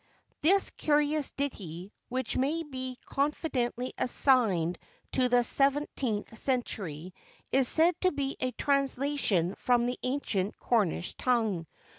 [THIS curious ditty, which may be confidently assigned to the seventeenth century, is said to be a translation from the ancient Cornish tongue.